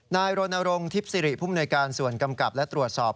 นายโรนารงค์ทิศิริภุมนวยการส่วนกำกับและตรวจสอบ